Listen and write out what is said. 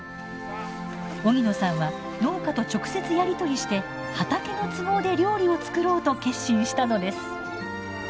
荻野さんは農家と直接やり取りして畑の都合で料理を作ろうと決心したのです。